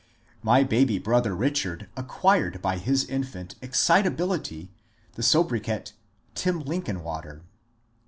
My baby brother Richard acquired by his infant excitability the sobriquet ^^ Tim Linkinwater."